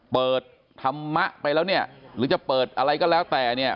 เปิดธรรมะไปแล้วหรือจะเปิดอะไรก็แล้วแต่